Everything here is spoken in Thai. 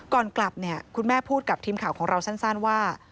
ก่อนกลับเนี่ยคุณแม่พูดกับทีมข่าวของเราสั้นว่า